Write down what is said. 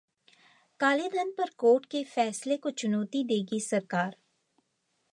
कालेधन पर कोर्ट के फैसले को चुनौती देगी सरकार